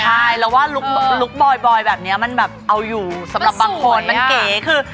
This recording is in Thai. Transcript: ใช่แล้วว่าลุคบอยแบบนี้มันแบบเอาอยู่สำหรับบางคนมันเก๋คือ